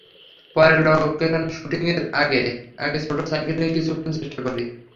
পরে লোকেশনে শুটিংয়ের আগে আগে ছোট সাইকেল নিয়ে কিছুক্ষণ চেষ্টা করি।